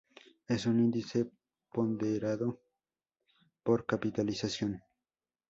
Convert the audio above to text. Es un índice ponderado por capitalización.